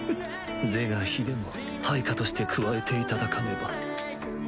是が非でも配下として加えていただかねば